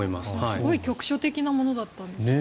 すごい局所的なものだったんですね。